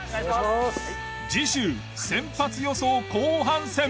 次週先発予想後半戦。